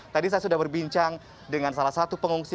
tadi saya sudah berbincang dengan salah satu pengungsi